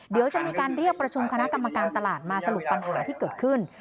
เดี๋ยวจะมีการเรียกประชุมคณะกรรมการตลาดมาสรุปปัญหาที่เกิดขึ้น